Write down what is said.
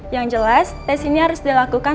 yang jelas tes ini harus dilakukan